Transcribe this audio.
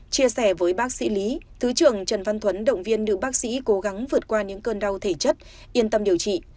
chia sẻ với bác sĩ lý thứ trưởng trần văn thuấn động viên nữ bác sĩ cố gắng vượt qua những cơn đau thể chất yên tâm điều trị